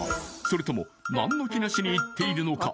それとも何の気なしに言っているのか？